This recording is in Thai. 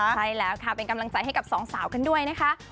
ใช่แล้วค่ะเป็นกำลังใจให้กับสองสาวกันด้วยนะคะ